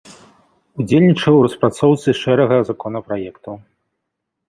Удзельнічаў у распрацоўцы шэрага законапраектаў.